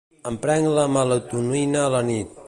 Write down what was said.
Em prenc la melatonina a la nit.